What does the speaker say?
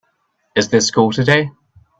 Is there school today?